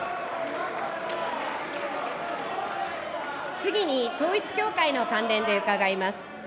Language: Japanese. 次に統一教会の関連で伺います。